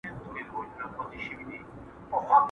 د ادم خان د رباب ټنګ پکار و.